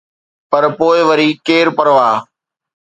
پر پوءِ وري، ڪير پرواهه؟